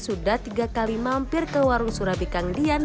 sudah tiga kali mampir ke warung surabikangdian